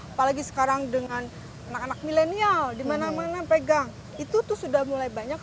apalagi sekarang dengan anak anak milenial dimana mana pegang itu tuh sudah mulai banyak